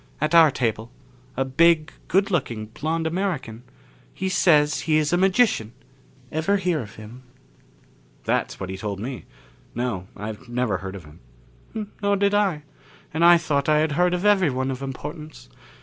At our table a big, good looking blond American. He says he is a magician. Ever hear of him?" "That's what he told me. No, I never heard of him." "Nor did I. And I thought I had heard of everyone of importance.